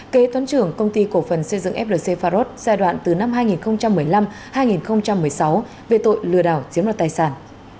kế toán trưởng công ty cổ phần xây dựng flc pharos giai đoạn từ năm hai nghìn một mươi năm hai nghìn một mươi sáu về tội lừa đảo chiếm đoạt tài sản